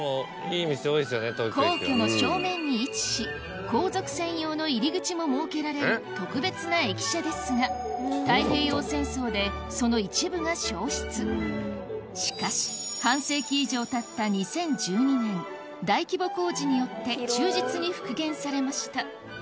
皇居の正面に位置し皇族専用の入り口も設けられる特別な駅舎ですが太平洋戦争でその一部が焼失しかし半世紀以上たった２０１２年大規模工事によって忠実に復元されました